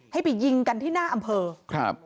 ให้ไปยิงกันที่หน้าอำเภอครับ